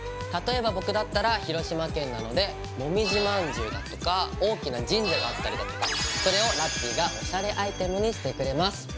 例えば僕だったら広島県なのでもみじまんじゅうだとか大きな神社があったりだとかそれをラッピィがおしゃれアイテムにしてくれます。